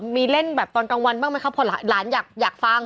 มีเล่นแบบตอนกลางวันบ้างไหมครับพอหลานอยากฟัง